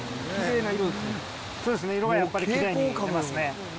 そうですね、やっぱり色はきれいに出ますね。